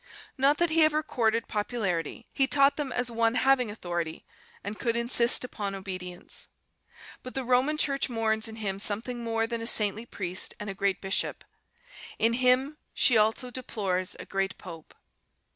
Not that he ever courted popularity; he taught them as one having authority and could insist upon obedience. But the Roman Church mourns in him something more than a saintly priest and a great bishop; in him she also deplores a great pope.